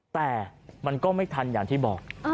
แต่มันก็ไม่ทันอย่างที่บอก